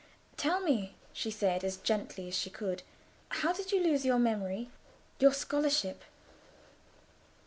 "Tell me," she said, as gently as she could, "how did you lose your memory—your scholarship?"